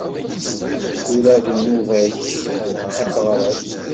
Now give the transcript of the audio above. Tura d nnuba-k ad d-teɣreḍ.